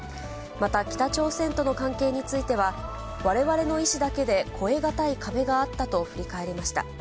また、北朝鮮との関係については、われわれの意志だけで越えがたい壁があったと振り返りました。